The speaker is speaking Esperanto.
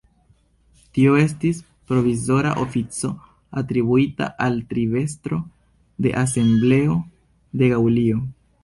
Tio estis provizora ofico atribuita al tribestro de Asembleo de Gaŭlio.